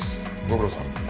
ご苦労さん。